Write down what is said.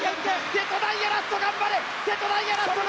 瀬戸大也、ラスト頑張れ！